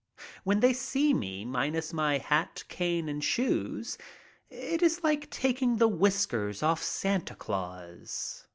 When they see me minus my hat, cane, and shoes, it is like taking the whiskers off Santa Claus.